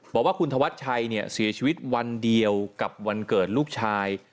บอกว่าคุณธวัชชัยเสียชีวิตวันเดียวกับวันเกิดลูกชาย